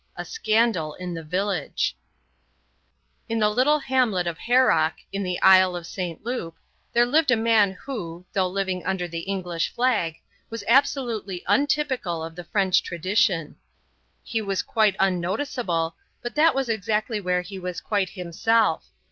A SCANDAL IN THE VILLAGE In the little hamlet of Haroc, in the Isle of St. Loup, there lived a man who though living under the English flag was absolutely untypical of the French tradition. He was quite unnoticeable, but that was exactly where he was quite himself.